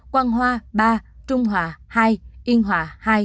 quang hoa ba trung hòa hai yên hòa hai